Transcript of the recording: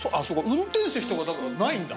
運転席とかだからないんだ。